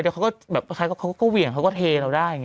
แต่เขาก็แบบใครก็เวียงเขาก็เทเราได้